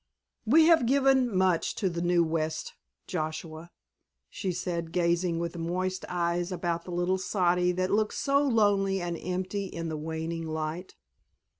"We have given much to the New West, Joshua," she said, gazing with moist eyes about the little soddy that looked so lonely and empty in the waning light.